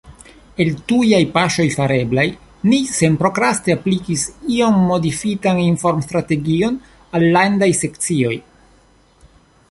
El tujaj paŝoj fareblaj, ni senprokraste aplikis iom modifitan informstrategion al Landaj Sekcioj.